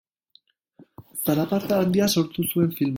Zalaparta handia sortu zuen filmak.